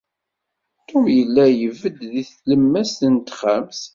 Tom yella ibedd deg tlemmast n texxamt.